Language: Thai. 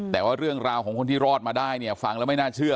แต่ว่าเรื่องราวของคนที่รอดมาได้เนี่ยฟังแล้วไม่น่าเชื่อ